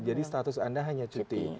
jadi status anda hanya cuti